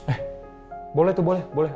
eh boleh tuh boleh boleh